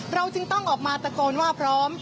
จึงต้องออกมาตะโกนว่าพร้อม